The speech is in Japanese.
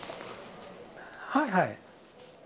はいはい。